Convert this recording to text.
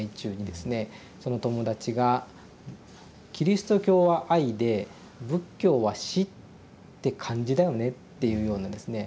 その友達が「キリスト教は愛で仏教は死って感じだよね」っていうようなですね